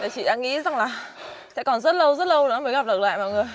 chị đã nghĩ rằng là sẽ còn rất lâu rất lâu nữa mới gặp được lại vào người